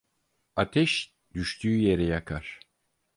Ateş düştüğü yeri yakar.